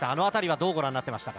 どうご覧になっていましたか。